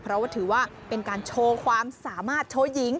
เพราะว่าถือว่าเป็นการโชว์ความสามารถโชว์หญิง